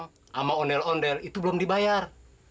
sama ondel ondel itu belum dibayar